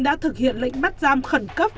đã thực hiện lệnh bắt giam khẩn cấp